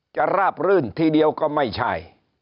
ราบรื่นทีเดียวก็ไม่ใช่